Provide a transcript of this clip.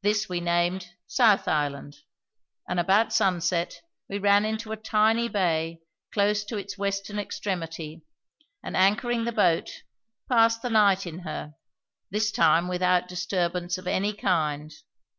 This we named "South Island"; and about sunset we ran into a tiny bay close to its western extremity and, anchoring the boat, passed the night in her, this time without disturbance of any kind.